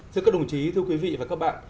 thưa các đồng chí thưa quý vị và các bạn